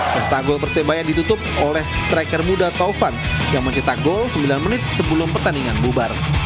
pesta gol persebaya ditutup oleh striker muda taufan yang mencetak gol sembilan menit sebelum pertandingan bubar